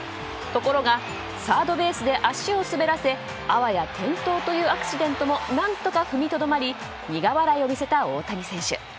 ところがサードベースで足を滑らせあわや転倒というアクシデントも何とか踏みとどまり苦笑いを見せた大谷選手。